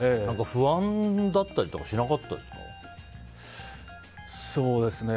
不安だったりとかしなかったんですか？